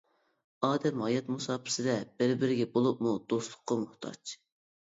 ئادەم ھايات مۇساپىسىدە بىر-بىرىگە، بولۇپمۇ دوستلۇققا موھتاج.